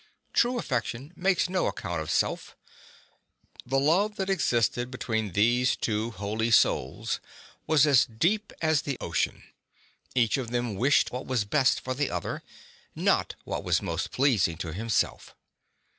True affection makes no ac count of self. The love that existed between these two holy souls was as deep as the ocean : each of them wished what was best for the other, not for what was most pleasing to himself.